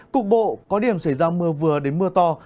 cục bộ có điểm xảy ra mưa vừa đến mưa to